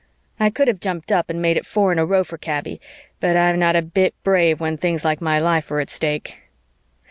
I could have jumped up and made it four in a row for Kaby, but I'm not a bit brave when things like my life are at stake.